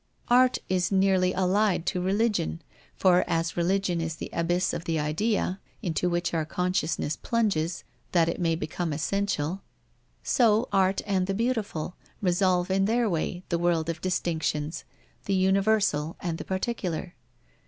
Art is nearly allied to religion, for as religion is the abyss of the idea, into which our consciousness plunges, that it may become essential, so Art and the Beautiful resolve, in their way, the world of distinctions, the universal and the particular.